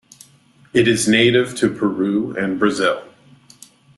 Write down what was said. It is native to Peru and Brazil.